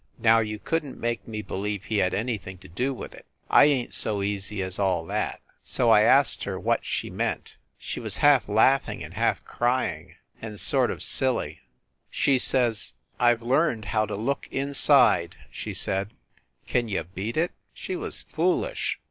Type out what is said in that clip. Now you couldn t make me believe he had anything to do with it I ain t so easy as all that. So I asked her what she meant. She was half laughing and half crying, and sort of silly. THE CAXTON DINING ROOM 179 She says, "I ve learned how to look inside !" she said. Can you beat it? She was foolish.